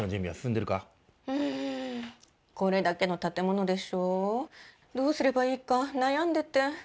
んこれだけの建物でしょどうすればいいか悩んでて。